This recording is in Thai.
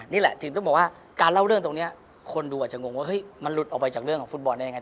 นี่แหละถึงต้องบอกว่าการเล่าเรื่องตรงนี้คนดูอาจจะงงว่าเฮ้ยมันหลุดออกไปจากเรื่องของฟุตบอลได้ยังไง